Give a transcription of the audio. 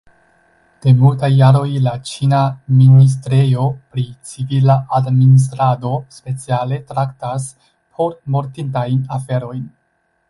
De multaj jaroj la ĉina ministrejo pri civila administrado speciale traktas pormortintajn aferojn.